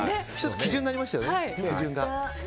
１つ基準になりましたよね。